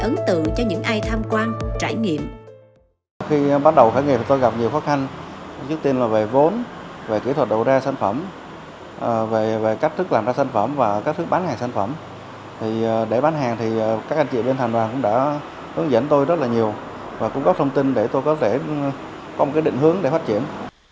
ấn tượng cho những ai tham quan trải nghiệm